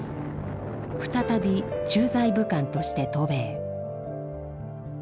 再び駐在武官として渡米。